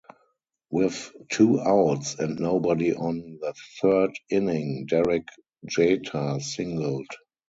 With two outs and nobody on in the third inning, Derek Jeter singled.